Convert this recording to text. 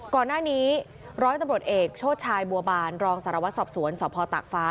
ก่อนหน้านี้ร้อยตำรวจเอกโชชัยบัวบานรองสารวัตรสอบสวนสพตากฟ้า